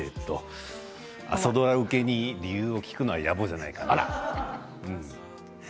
朝ドラ受けに理由を聞くのは、やぼじゃないかな。